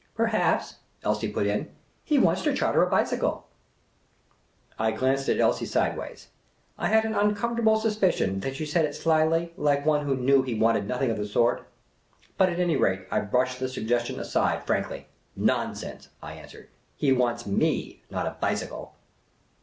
" Perhaps," Elsie put in, " he wants to charter a bicycle." I glanced at Elsie sideways. I had an uncomfortable sus picion that she said it slyly, like one who knew he wanted nothing of the sort. But at any rate, I brushed the sugges tion aside frankly. " Nonsense," I answered. " He wants me, not a bicycle."